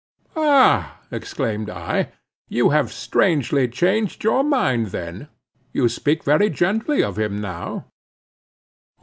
"Ah," exclaimed I, "you have strangely changed your mind then—you speak very gently of him now."